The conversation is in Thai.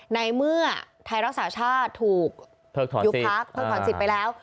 ในเมื่อไทยรักษาชาติถูกยุบพักเพิกถอนสิทธิ์ไปแล้ว